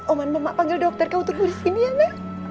oman mama panggil dokter kau untuk disini ya ma